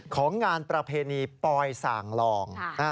ของงานประเพณีปอยส่างลอง